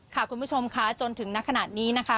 คุณผู้ชมค่ะจนถึงนักขนาดนี้นะคะ